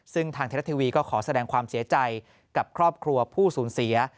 ซึ่งทางไทยรัฐทีวีก็ขอแสดงความเสียใจกับครอบครัวผู้สูญเสีย